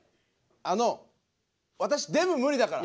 あの私デブ無理だから。